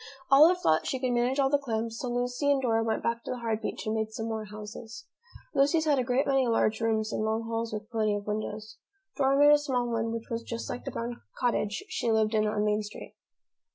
Olive thought she could manage all the clams, so Lucy and Dora went back to the hard beach and made some more houses. Lucy's had a great many large rooms and long halls with plenty of windows. Dora made a small one which was just like the brown cottage she lived in on Main Street.